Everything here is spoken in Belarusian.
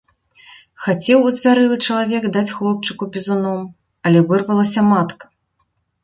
Хацеў азвярэлы чалавек даць хлопчыку бізуном, але вырвалася матка.